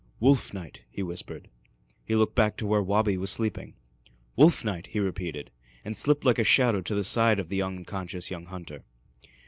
"Wolf night!" he whispered. He looked back to where Wabi was sleeping. "Wolf night!" he repeated, and slipped like a shadow to the side of the unconscious young hunter.